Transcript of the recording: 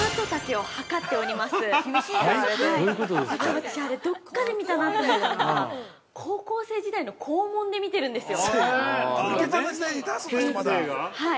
◆私、あれ、どっかで見たなと思ったのは高校生時代の校門で見てるんですよ。